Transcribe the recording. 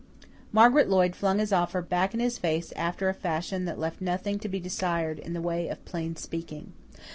Margaret Lloyd flung his offer back in his face after a fashion that left nothing to be desired in the way of plain speaking.